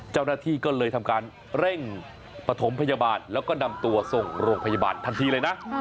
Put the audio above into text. เจ้าหน้าที่ก็เลยทำการเร่งปฐมพยาบาลแล้วก็นำตัวส่งโรงพยาบาลทันทีเลยนะ